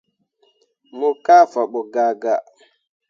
Mo kah fabo gaa gaa.